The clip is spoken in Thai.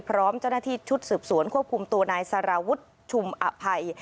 พร้อมเจ้าหน้าที่ชุดสืบสวนควบคุมตัวนายสารวุฒิชุมอภัย